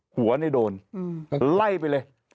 หัวในโดนไล่ไปเลย